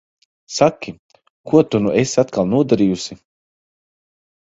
Saki, ko tu nu esi atkal nodarījusi?